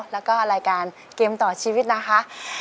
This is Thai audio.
แล้วก็รายการเกมต่อชีวิตนะคะ